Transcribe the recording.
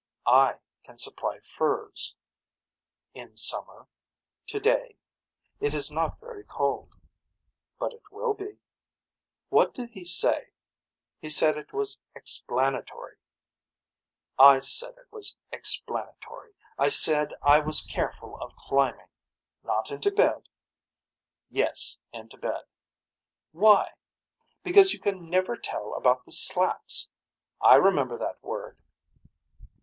I can supply furs. In summer. Today. It is not very cold. But it will be. What did he say. He said it was explanatory. I said it was explanatory. I said I was careful of climbing. Not into bed. Yes into bed. Why. Because you can never tell about the slats. I remember that word.